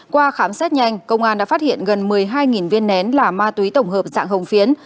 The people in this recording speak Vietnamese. qua khám xét nhanh công an đã phát hiện gần một mươi hai viên nén là ma túy tổng hợp dạng hồng phiến